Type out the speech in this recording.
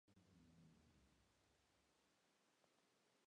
Esta etapa final de su vida se decantó hacia una escultura más idealizada.